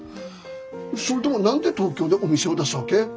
それと何で東京でお店を出すわけ？